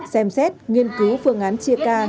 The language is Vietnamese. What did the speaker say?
xem xét nghiên cứu phương án chia ca